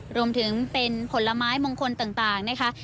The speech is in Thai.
เป็นส้มค่ะรวมถึงเป็นผลไม้มงคลต่างนะค่ะ